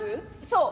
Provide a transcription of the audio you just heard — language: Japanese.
そう。